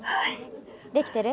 できてる？